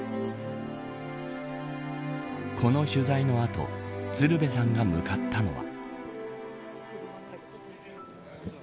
この取材の後鶴瓶さんが向かったのは。